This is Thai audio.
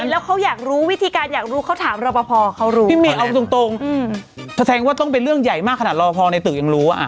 เรตติ้งดีมี๒ช่องใหญ่อุ๊ย